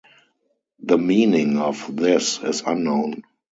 The meaning of this is unknown.